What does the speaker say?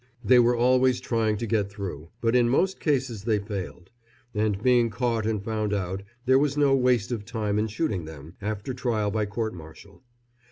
They were always trying to get through, but in most cases they failed, and being caught and found out, there was no waste of time in shooting them, after trial by court martial.